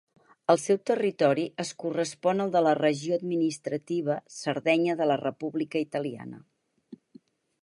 El seu territori es correspon al de la regió administrativa Sardenya de la República Italiana.